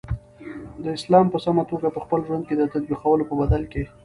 د اسلام په سمه توګه په خپل ژوند کی د تطبیقولو په بدل کی